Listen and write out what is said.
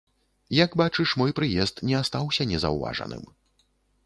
Як бачыш, мой прыезд не астаўся незаўважаным.